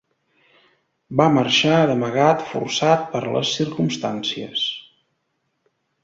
Va marxar d'amagat forçat per les circumstàncies.